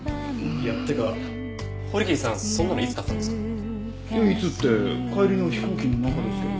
いやいつって帰りの飛行機の中ですけど。